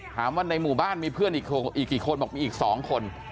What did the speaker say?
ถามว่าในหมู่บ้านมีเพื่อนอีกกี่คนบอกมีอีก๒คน